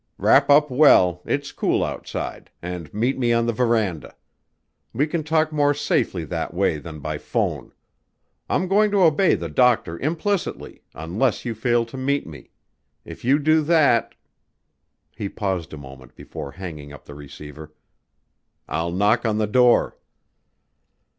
"Wrap up well it's cool outside and meet me on the verandah. We can talk more safely that way than by 'phone. I'm going to obey the doctor implicitly unless you fail to meet me. If you do that " he paused a moment before hanging up the receiver "I'll knock on the door."